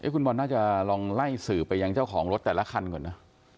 คุณบอลน่าจะลองไล่สื่อไปยังเจ้าของรถแต่ละคันก่อนนะ